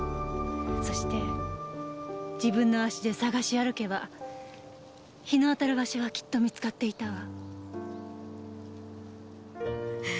そして自分の足で探し歩けば日の当たる場所はきっと見つかっていたわ。